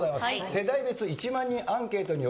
世代別１万人アンケートによります